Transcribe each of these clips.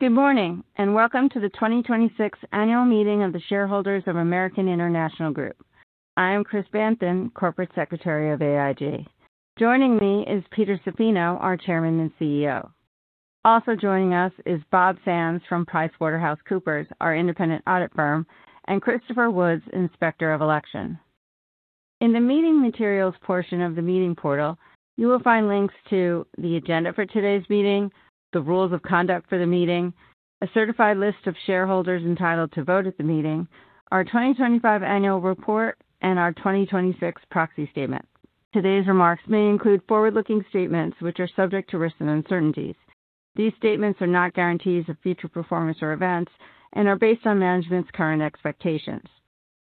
Good morning, welcome to the 2026 Annual Meeting of the Shareholders of American International Group. I am Chris Banthin, Corporate Secretary of AIG. Joining me is Peter Zaffino, our Chairman and CEO. Also joining us is Bob Sands from PricewaterhouseCoopers, our independent audit firm, and Christopher Woods, Inspector of Election. In the meeting materials portion of the meeting portal, you will find links to the agenda for today's meeting, the rules of conduct for the meeting, a certified list of shareholders entitled to vote at the meeting, our 2025 annual report, and our 2026 proxy statement. Today's remarks may include forward-looking statements, which are subject to risks and uncertainties. These statements are not guarantees of future performance or events and are based on management's current expectations.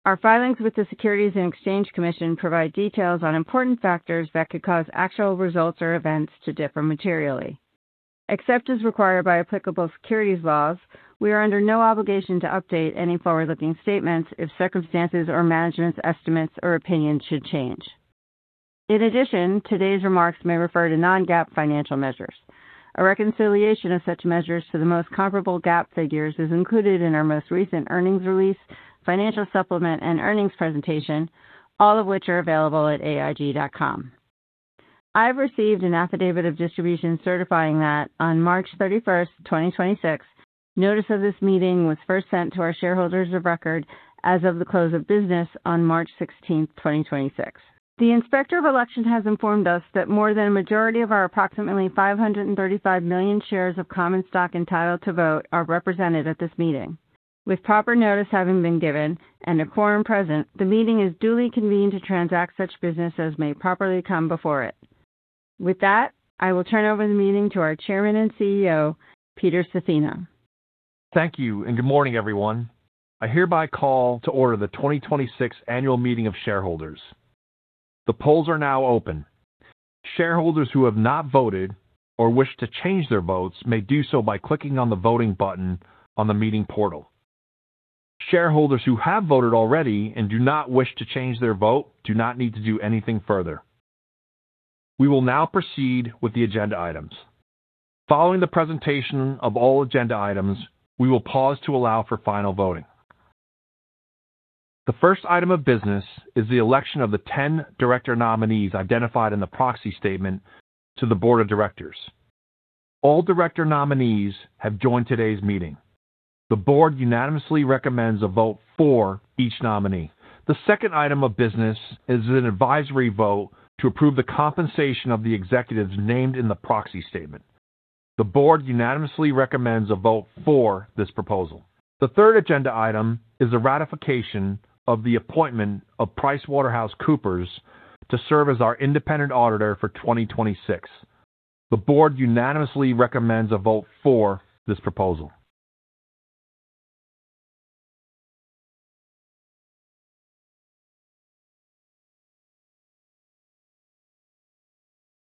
Our filings with the Securities and Exchange Commission provide details on important factors that could cause actual results or events to differ materially. Except as required by applicable securities laws, we are under no obligation to update any forward-looking statements if circumstances or management's estimates or opinions should change. In addition, today's remarks may refer to non-GAAP financial measures. A reconciliation of such measures to the most comparable GAAP figures is included in our most recent earnings release, financial supplement, and earnings presentation, all of which are available at aig.com. I've received an affidavit of distribution certifying that on March 31, 2026, notice of this meeting was first sent to our shareholders of record as of the close of business on March 16, 2026. The Inspector of Election has informed us that more than a majority of our approximately 535 million shares of common stock entitled to vote are represented at this meeting. With proper notice having been given and a quorum present, the meeting is duly convened to transact such business as may properly come before it. With that, I will turn over the meeting to our Chairman and CEO, Peter Zaffino. Thank you and good morning, everyone. I hereby call to order the 2026 Annual Meeting of Shareholders. The polls are now open. Shareholders who have not voted or wish to change their votes may do so by clicking on the voting button on the meeting portal. Shareholders who have voted already and do not wish to change their vote do not need to do anything further. We will now proceed with the agenda items. Following the presentation of all agenda items, we will pause to allow for final voting. The first item of business is the election of the 10 director nominees identified in the proxy statement to the board of directors. All director nominees have joined today's meeting. The board unanimously recommends a vote for each nominee. The second item of business is an advisory vote to approve the compensation of the executives named in the proxy statement. The board unanimously recommends a vote for this proposal. The third agenda item is the ratification of the appointment of PricewaterhouseCoopers to serve as our independent auditor for 2026. The board unanimously recommends a vote for this proposal.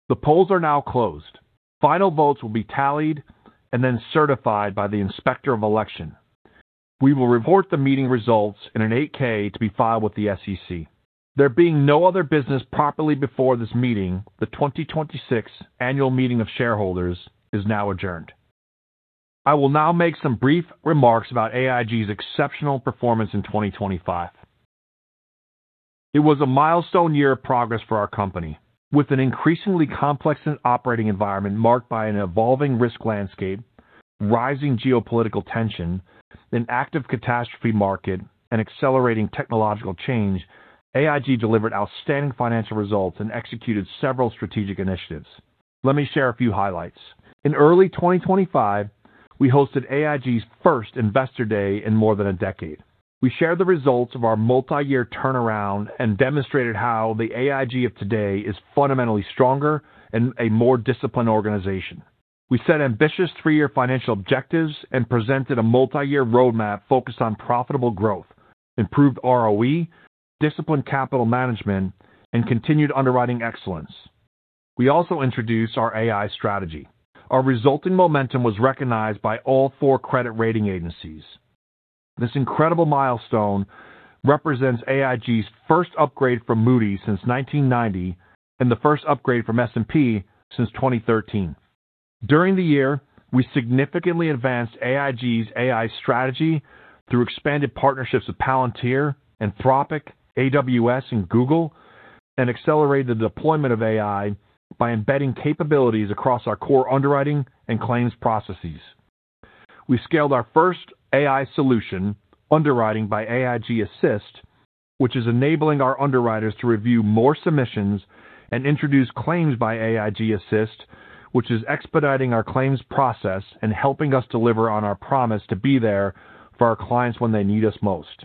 The polls are now closed. Final votes will be tallied and then certified by the Inspector of Election. We will report the meeting results in an 8-K to be filed with the SEC. There being no other business properly before this meeting, the 2026 Annual Meeting of Shareholders is now adjourned. I will now make some brief remarks about AIG's exceptional performance in 2025. It was a milestone year of progress for our company. With an increasingly complex and operating environment marked by an evolving risk landscape, rising geopolitical tension, an active catastrophe market, and accelerating technological change, AIG delivered outstanding financial results and executed several strategic initiatives. Let me share a few highlights. In early 2025, we hosted AIG's first Investor Day in more than a decade. We shared the results of our multi-year turnaround and demonstrated how the AIG of today is fundamentally stronger and a more disciplined organization. We set ambitious three-year financial objectives and presented a multi-year roadmap focused on profitable growth, improved ROE, disciplined capital management, and continued underwriting excellence. We also introduced our AI strategy. Our resulting momentum was recognized by all four credit rating agencies. This incredible milestone represents AIG's first upgrade from Moody's since 1990 and the first upgrade from S&P since 2013. During the year, we significantly advanced AIG's AI strategy through expanded partnerships with Palantir, Anthropic, AWS, and Google, and accelerated the deployment of AI by embedding capabilities across our core underwriting and claims processes. We scaled our first AI solution, Underwriting by AIG Assist, which is enabling our underwriters to review more submissions and introduce Claims by AIG Assist, which is expediting our claims process and helping us deliver on our promise to be there for our clients when they need us most.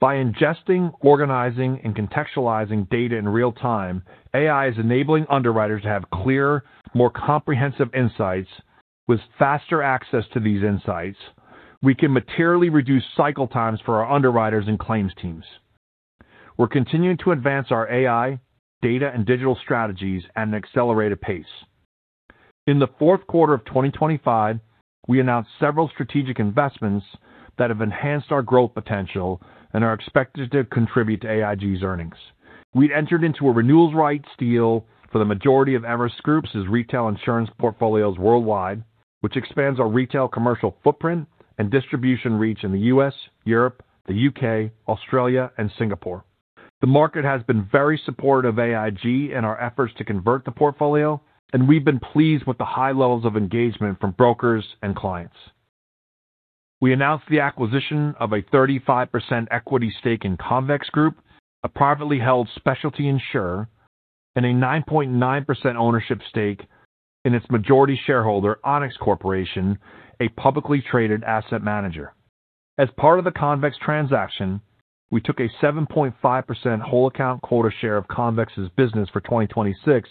By ingesting, organizing, and contextualizing data in real time, AI is enabling underwriters to have clearer, more comprehensive insights. With faster access to these insights, we can materially reduce cycle times for our underwriters and claims teams. We're continuing to advance our AI, data, and digital strategies at an accelerated pace. In the fourth quarter of 2025, we announced several strategic investments that have enhanced our growth potential and are expected to contribute to AIG's earnings. We entered into a renewal rights deal for the majority of Everest Group's retail insurance portfolios worldwide, which expands our retail commercial footprint and distribution reach in the U.S., Europe, the U.K., Australia and Singapore. The market has been very supportive of AIG in our efforts to convert the portfolio, and we've been pleased with the high levels of engagement from brokers and clients. We announced the acquisition of a 35% equity stake in Convex Group, a privately held specialty insurer, and a 9.9% ownership stake in its majority shareholder, Onex Corporation, a publicly traded asset manager. As part of the Convex transaction, we took a 7.5% whole account quota share of Convex's business for 2026,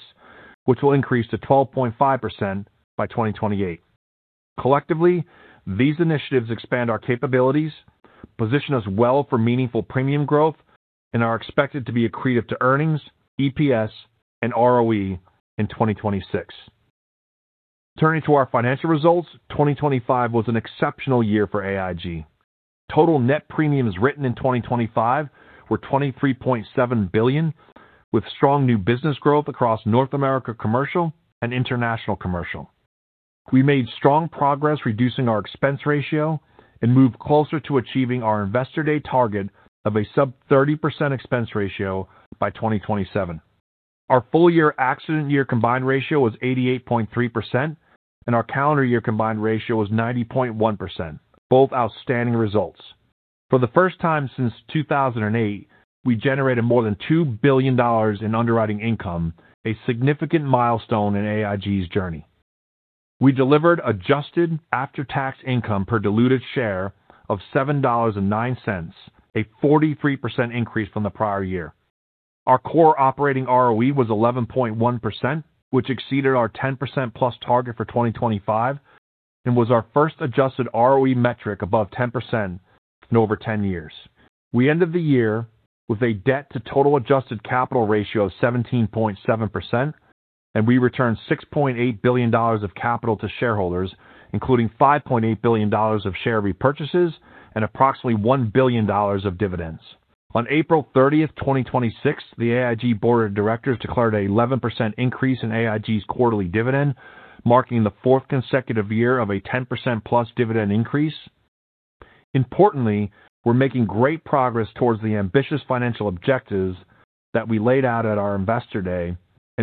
which will increase to 12.5% by 2028. Collectively, these initiatives expand our capabilities, position us well for meaningful premium growth and are expected to be accretive to earnings, EPS, and ROE in 2026. Turning to our financial results, 2025 was an exceptional year for AIG. Total net premiums written in 2025 were $23.7 billion, with strong new business growth across North America Commercial and International Commercial. We made strong progress reducing our expense ratio and moved closer to achieving our Investor Day target of a sub 30% expense ratio by 2027. Our full-year accident year combined ratio was 88.3%, and our calendar year combined ratio was 90.1%. Both outstanding results. For the first time since 2008, we generated more than $2 billion in underwriting income, a significant milestone in AIG's journey. We delivered adjusted after-tax income per diluted share of $7.09, a 43% increase from the prior year. Our core operating ROE was 11.1%, which exceeded our 10%+ target for 2025 and was our first adjusted ROE metric above 10% in over 10 years. We end of the year with a debt-to-total adjusted capital ratio of 17.7%, and we returned $6.8 billion of capital to shareholders, including $5.8 billion of share repurchases and approximately $1 billion of dividends. On April 30, 2026, the AIG Board of Directors declared an 11% increase in AIG's quarterly dividend, marking the fourth consecutive year of a 10%+ dividend increase. Importantly, we're making great progress towards the ambitious financial objectives that we laid out at our Investor Day.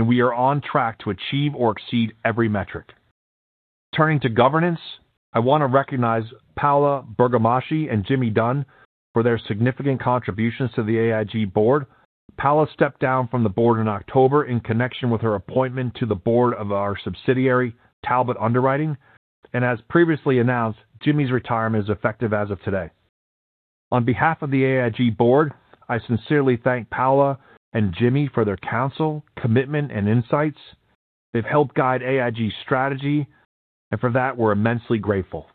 We are on track to achieve or exceed every metric. Turning to governance, I want to recognize Paola Bergamaschi and Jimmy Dunne for their significant contributions to the AIG board. Paola stepped down from the board in October in connection with her appointment to the board of our subsidiary, Talbot Underwriting. As previously announced, Jimmy's retirement is effective as of today. On behalf of the AIG board, I sincerely thank Paola and Jimmy for their counsel, commitment and insights. They've helped guide AIG's strategy. For that, we're immensely grateful.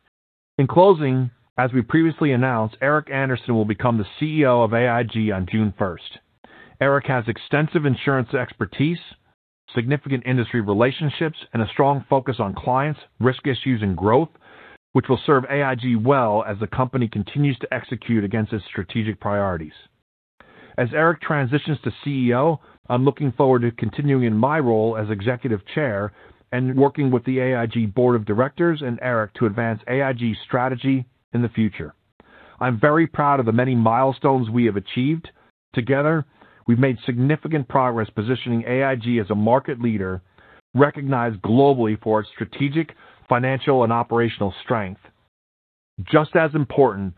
In closing, as we previously announced, Eric Andersen will become the CEO of AIG on June first. Eric has extensive insurance expertise, significant industry relationships, and a strong focus on clients, risk issues and growth, which will serve AIG well as the company continues to execute against its strategic priorities. As Eric transitions to CEO, I'm looking forward to continuing in my role as executive chair and working with the AIG Board of Directors and Eric to advance AIG's strategy in the future. I'm very proud of the many milestones we have achieved. Together, we've made significant progress positioning AIG as a market leader recognized globally for its strategic, financial and operational strength. Just as important,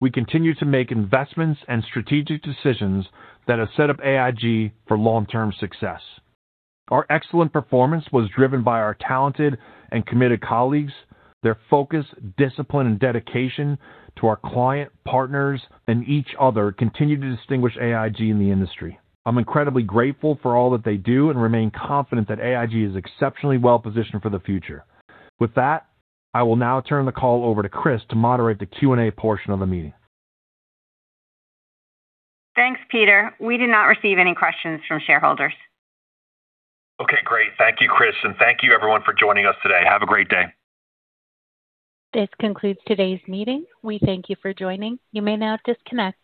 we continue to make investments and strategic decisions that have set up AIG for long-term success. Our excellent performance was driven by our talented and committed colleagues. Their focus, discipline and dedication to our client, partners and each other continue to distinguish AIG in the industry. I'm incredibly grateful for all that they do and remain confident that AIG is exceptionally well-positioned for the future. With that, I will now turn the call over to Chris to moderate the Q&A portion of the meeting. Thanks, Peter. We did not receive any questions from shareholders. Okay, great. Thank you, Chris, and thank you, everyone, for joining us today. Have a great day. This concludes today's meeting. We thank you for joining. You may now disconnect.